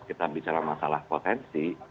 kita bicara masalah potensi